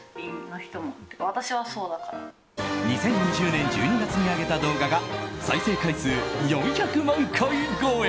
２０２０年１２月に上げた動画が再生回数４００万回超え。